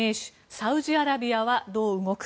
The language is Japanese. サウジアラビアはどう動く？